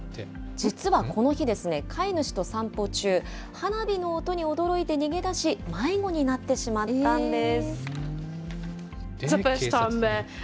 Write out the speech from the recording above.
実はこの日、飼い主と散歩中、花火の音に驚いて逃げ出し、迷子になってしまったんです。